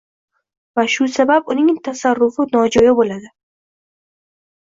va shu sabab uning tasarrufi nojo‘ya bo‘ladi.